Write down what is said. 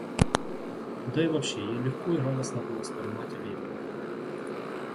Да и вообще ей легко и радостно было вспоминать о Левине.